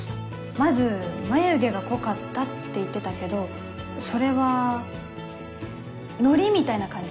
まず眉毛が濃かったって言ってたけどそれは海苔みたいな感じ？